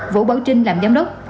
vũ bảo trinh làm giám đốc